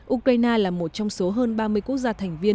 ukraine là một trong số hơn ba mươi quốc gia thành viên